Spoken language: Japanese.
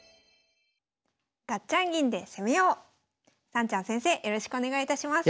さんちゃん先生よろしくお願いいたします。